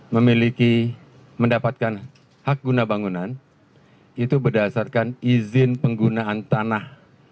memiliki mendapatkan hak guna bangunan itu berdasarkan izin penggunaan tanah